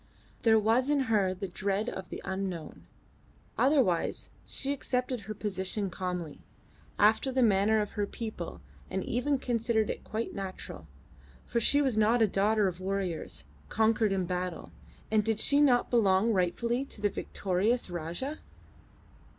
There was in her the dread of the unknown; otherwise she accepted her position calmly, after the manner of her people, and even considered it quite natural; for was she not a daughter of warriors, conquered in battle, and did she not belong rightfully to the victorious Rajah?